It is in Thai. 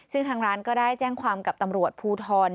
ซึ่งทางร้านก็ได้แจ้งความกับตำรวจภูทร